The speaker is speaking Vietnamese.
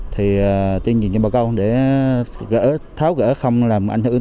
thì tuyên truyền cho bà con để gỡ tháo gỡ không làm ảnh hưởng